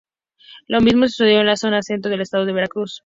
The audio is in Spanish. Lo mismo que sucedió en la zona centro del Estado de Veracruz.